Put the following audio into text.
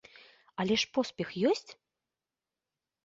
Але ж поспех ёсць?